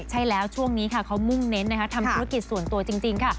ใช่แล้วช่วงนี้ค่ะเขามุ่งเน้นนะคะทำธุรกิจส่วนตัวจริงค่ะ